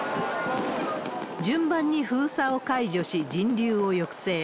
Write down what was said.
順番に封鎖を解除し、人流を抑制。